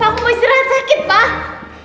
pak mau istirahat sakit pak